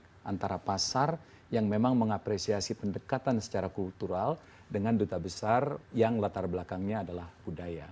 dan itu adalah yang paling baik antara pasar yang memang mengapresiasi pendekatan secara kultural dengan duta besar yang latar belakangnya adalah budaya